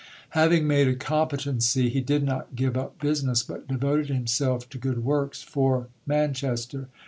Having made "a competency," he did not give up business, but devoted himself to good works for Manchester.